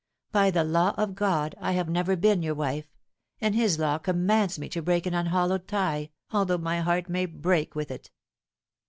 By the law of God I have never been your wife, and His law com mands me to break an unhallowed tie, although my heart may break with it.